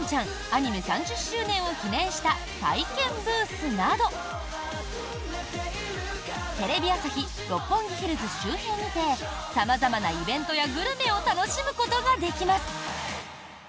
アニメ３０周年を記念した体験ブースなどテレビ朝日・六本木ヒルズ周辺にて様々なイベントやグルメを楽しむことができます。